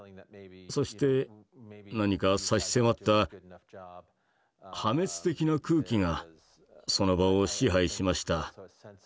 そして何か差し迫った破滅的な空気がその場を支配しました。